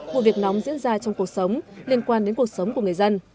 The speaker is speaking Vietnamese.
vụ việc nóng diễn ra trong cuộc sống liên quan đến cuộc sống của người dân